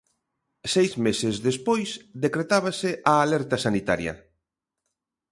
Seis meses despois decretábase a alerta sanitaria.